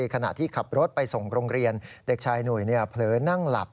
ขณะที่ขับรถไปส่งโรงเรียนเด็กชายหนุ่ยเผลอนั่งหลับ